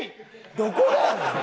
どこがやねん。